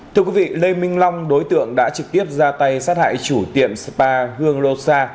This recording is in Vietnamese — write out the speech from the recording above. thưa quý vị lê minh long đối tượng đã trực tiếp ra tay sát hại chủ tiệm spa hương lô sa